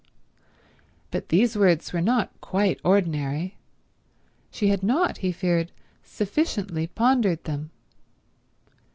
But these words were not quite ordinary; she had not, he feared, sufficiently pondered them.